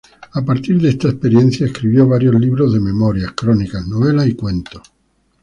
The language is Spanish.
A partir de esta experiencia escribió varios libros de memorias, crónicas, novelas y cuentos.